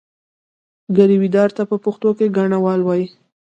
ګرويدار ته په پښتو کې ګاڼهوال وایي.